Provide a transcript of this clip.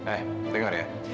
eh dengar ya